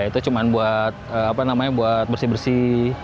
itu cuma buat bersih bersih